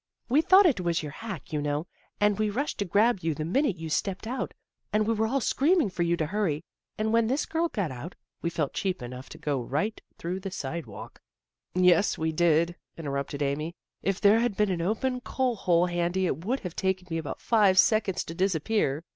We thought it was your hack, you know, and we rushed to grab you the minute you stepped out, and we were all screaming for you to hurry, and when this girl got out we felt cheap enough to go right through the sidewalk." 30 THE GIRLS OF FRIENDLY TERRACE " Yes, we did," interrupted Amy. " If there had been an open coal hole handy it would have taken me about five seconds to disap pear."